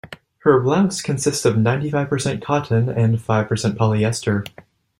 Her blouse consists of ninety-five percent cotton and five percent polyester.